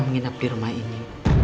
menginap di rumah ini